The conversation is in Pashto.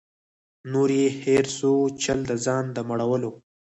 نور یې هېر سو چل د ځان د مړولو